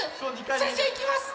それじゃあいきます！